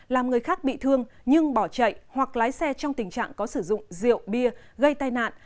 làm người khác bị thương nhưng bỏ chạy hoặc lái xe trong tình trạng có sử dụng rượu bia gây tai nạn